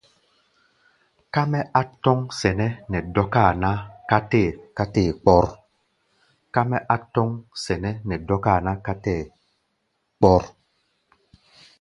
Ká mɛ́ á tɔ́ŋ sɛnɛ́ nɛ dɔ́káa ná ká tɛ́ɛ kpɔ́r.